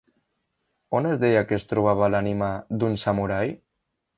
On es deia que es trobava l'ànima d'un samurai?